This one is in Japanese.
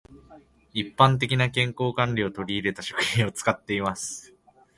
一般的な健康管理を取り入れた食品を使っています。